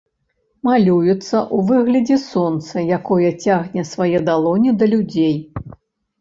Малюецца ў выглядзе сонца, якое цягне свае далоні да людзей.